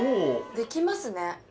できますね。